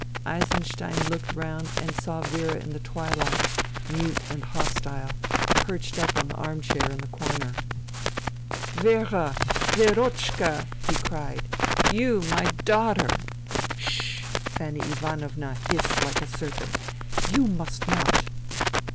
Eisenstein looked round and saw Vera in the twihght, mute and hostile, perched up on the armchair in the corner. *' Vera ! Verochka !" he cried. " You, my daughter "" S — s — s — sh !" Fanny Ivanovna hissed like a serpent. " You must not